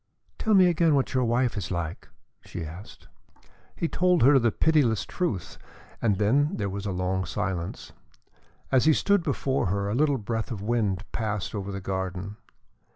"Tell me again what your wife is like?" she asked. He told her the pitiless truth and then there was a long silence. As he stood before her, a little breath of wind passed over the garden.